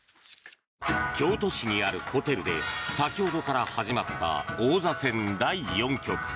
京都市にあるホテルで先ほどから始まった王座戦第４局。